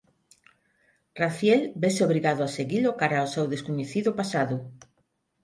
Raziel vese obrigado a seguilo cara ao seu descoñecido pasado.